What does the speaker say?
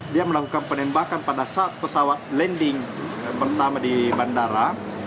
dia melakukan penembakan pada saat pesawat landing pertama di bandara